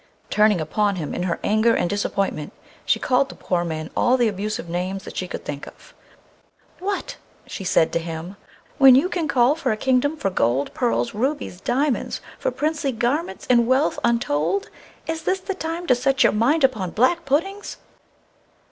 Turning upon him, in her anger and disappointment she called the poor man all the abusive names that she could think of. "What!" she said to him, "when you can call for a kingdom, for gold, pearls, rubies, diamonds, for princely garments and wealth untold, is this the time to set your mind upon black puddings!"